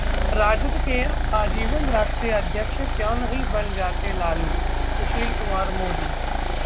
राजद के आजीवन राष्ट्रीय अध्यक्ष क्यों नहीं बन जाते लालूः सुशील कुमार मोदी